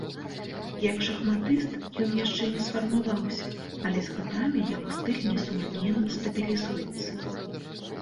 Як шахматыст ён яшчэ не сфармаваўся, але з гадамі яго стыль, несумненна, стабілізуецца.